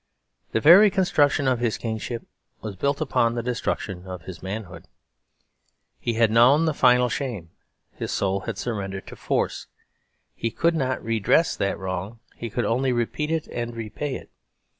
The very construction of his kingship was built upon the destruction of his manhood. He had known the final shame; his soul had surrendered to force. He could not redress that wrong; he could only repeat it and repay it.